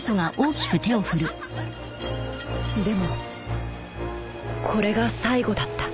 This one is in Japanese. でもこれが最後だった